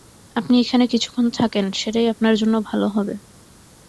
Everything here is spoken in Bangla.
আপনি এখানে কিছুক্ষন থাকেন, সেটাই আপনার জন্য ভাল হবে।